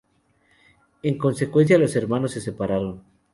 En consecuencia los hermanos se separaron.